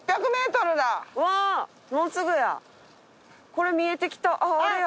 これ見えてきたあれや。